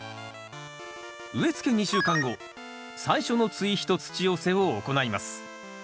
植え付け２週間後最初の追肥と土寄せを行います。